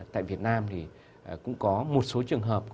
tại việt nam thì cũng có một số trường hợp